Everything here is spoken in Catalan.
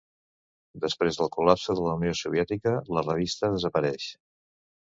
Després del col·lapse de la Unió Soviètica, la revista desapareix.